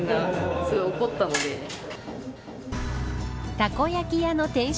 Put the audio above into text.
たこ焼き屋の店主